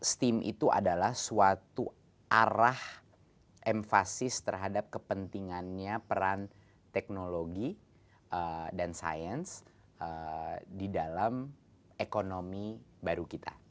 steam itu adalah suatu arah empasis terhadap kepentingannya peran teknologi dan sains di dalam ekonomi baru kita